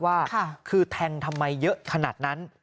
ว่าคือแทงทำไมเยอะขนาดนั้น